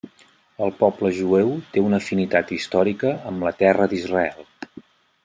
El poble jueu té una afinitat històrica amb la Terra d'Israel.